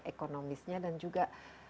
ekonomisnya dan juga